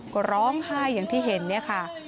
ก็ร้องไห้อย่างที่เห็นเนี่ยค่ะ